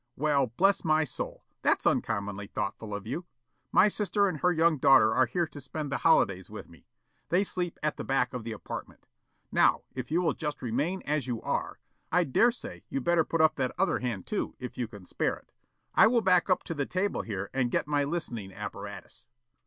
"Well, bless my soul, that's uncommonly thoughtful of you. My sister and her young daughter are here to spend the holidays with me. They sleep at the back of the apartment. Now, if you will just remain as you are, I dare say you'd better put up the other hand, too, if you can spare it, I will back up to the table here and get my listening apparatus.